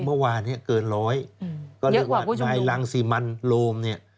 เมื่อวานเนี่ยเกินร้อยก็เรียกว่านายรังสิมันโรมเนี่ย